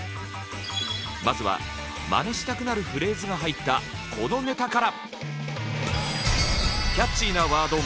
まずはマネしたくなるフレーズが入ったこのネタから。